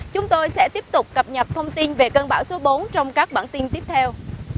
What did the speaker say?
chúng tôi sẽ tiếp tục cập nhật thông tin về cơn bão số bốn trong các bản tin tiếp theo